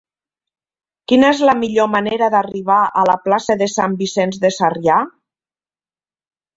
Quina és la millor manera d'arribar a la plaça de Sant Vicenç de Sarrià?